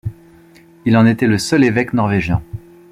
Il en était le seul évêque norvégien.